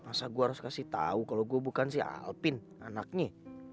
masa gue harus kasih tahu kalau gue bukan sih alpin anaknya